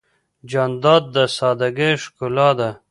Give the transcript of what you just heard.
جانداد د سادګۍ ښکلا ده.